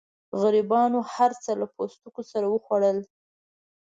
غریبانو هرڅه له پوستکو سره وخوړل.